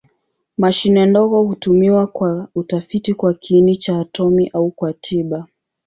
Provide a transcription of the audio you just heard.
Mashine ndogo hutumiwa kwa utafiti kwa kiini cha atomi au kwa tiba.